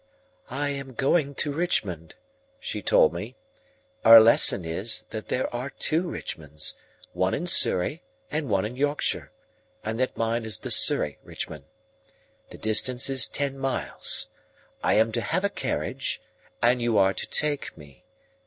"I am going to Richmond," she told me. "Our lesson is, that there are two Richmonds, one in Surrey and one in Yorkshire, and that mine is the Surrey Richmond. The distance is ten miles. I am to have a carriage, and you are to take me.